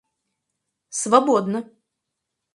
свободно